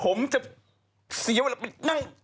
ผมจะเสียเวลาไปนั่ง